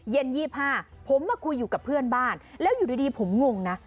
๒๕ผมมาคุยอยู่กับเพื่อนบ้านแล้วอยู่ดีผมงงนะ